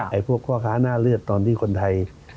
พวกพ่อค้าหน้าเลือดตอนที่คนไทย